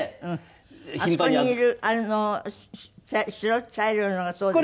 あそこにいる白茶色いのがそうですか？